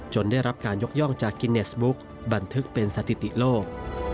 ได้รับการยกย่องจากกิเนสบุ๊กบันทึกเป็นสถิติโลก